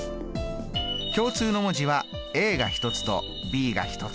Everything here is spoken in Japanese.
共通の文字はが１つとｂが１つ。